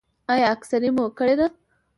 ایا اکسرې مو کړې ده؟